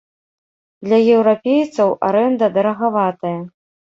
Для еўрапейцаў арэнда дарагаватая.